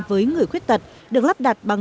với người khuyết tật được lắp đặt bằng